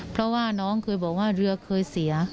เพราะว่าน้องเคยบอกว่าเรือเคยเสีย